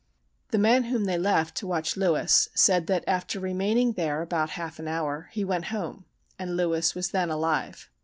The man whom they left to watch Lewis said that, after remaining there about half an hour, he went home; and Lewis was then alive.